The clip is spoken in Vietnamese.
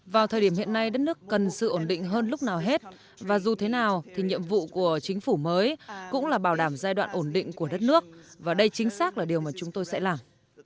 vào thời điểm hiện nay đất nước cần sự ổn định hơn lúc nào hết và dù thế nào thì nhiệm vụ của chính phủ mới cũng là bảo đảm giai đoạn ổn định của đất nước và đây chính xác là điều mà chúng tôi sẽ làm